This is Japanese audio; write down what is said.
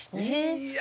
いや。